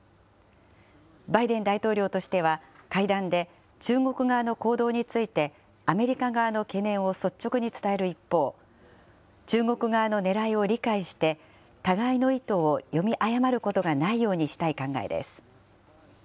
バイデン大統領としては、会談で、中国側の行動について、アメリカ側の懸念を率直に伝える一方、中国側のねらいを理解して、互いの意図を読み誤ることがないようにしたい考えです。